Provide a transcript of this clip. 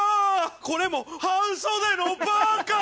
これも半袖のパーカー！